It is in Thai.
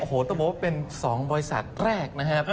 โอ้โหต้องบอกว่าเป็น๒บริษัทแรกนะครับ